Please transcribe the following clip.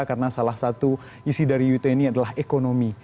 karena salah satu isi dari u dua puluh adalah ekonomi